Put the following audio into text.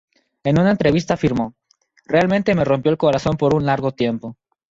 En una entrevista afirmó, "Realmente me rompió el corazón por un largo tiempo.